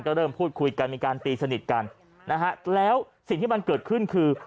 ก็เริ่มพูดคุยกันมีการตีสนิทกันนะฮะแล้วสิ่งที่มันเกิดขึ้นคือ